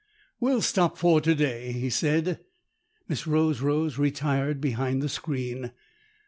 "We'll stop for to day," he said. Miss Rose Rose retired behind the screen.